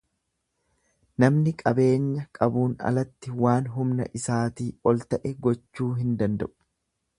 Namni qabeenya qabuun alatti waan humna isaatii ol ta'e gochuu hin danda'u.